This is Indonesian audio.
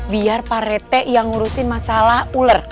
biar pak rete yang ngurusin masalah ular